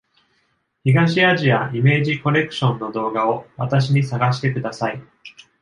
東アジア・イメージ・コレクションの動画を私に探してください。